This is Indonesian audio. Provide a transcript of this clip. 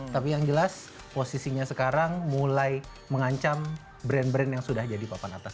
tapi yang jelas posisinya sekarang mulai mengancam brand brand yang sudah jadi papan atas